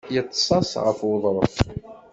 Iṭṭes-as ɣef wuḍṛef.